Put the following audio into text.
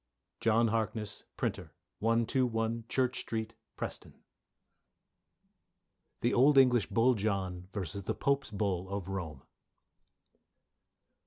JOHN HARKNESS, Printer, 121, Church Street, Preston. THE OLD ENGLISH BULL JOHN v. THE POPE'S BULL OF ROME.